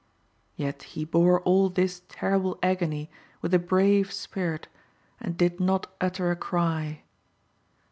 Yet he bore all this terrible agony with a brave spirit, and did not utter a cry.